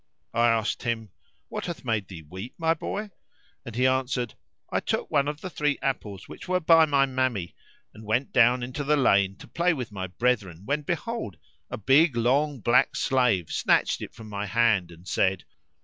I asked him, "What hath made thee weep, my boy?" and he answered, "I took one of the three apples which were by my mammy and went down into the lane to play with my brethren when behold, a big long black slave snatched it from my hand and said.